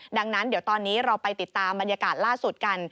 ดังนั้นเดี๋ยวตอนนี้เราไปติดตามบรรยากาศล่าสุดกัน